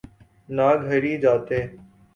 نہ گھڑی جاتیں۔